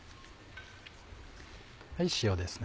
塩ですね。